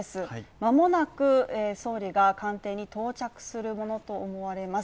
間もなく総理が官邸に到着するものと思われます。